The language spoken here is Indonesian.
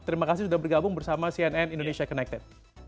terima kasih sudah bergabung bersama cnn indonesia connected